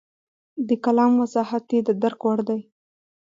د کلام وضاحت یې د درک وړ دی.